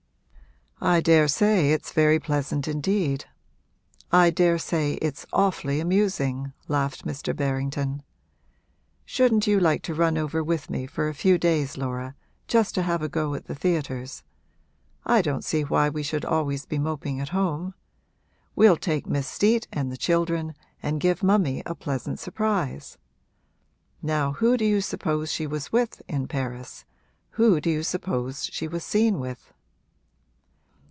'I daresay it's very pleasant indeed I daresay it's awfully amusing!' laughed Mr. Berrington. 'Shouldn't you like to run over with me for a few days, Laura just to have a go at the theatres? I don't see why we should always be moping at home. We'll take Miss Steet and the children and give mummy a pleasant surprise. Now who do you suppose she was with, in Paris who do you suppose she was seen with?'